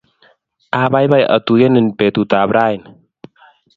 abaibai atuyenen petutap raini